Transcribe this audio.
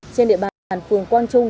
trên địa bàn phường quang trung